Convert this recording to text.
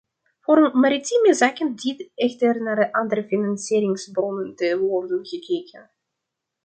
Voor maritieme zaken dient echter naar andere financieringsbronnen te worden gekeken.